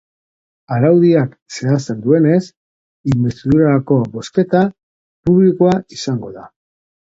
Araudiak zehazten duenez, inbestidurako bozketa publikoa izango da.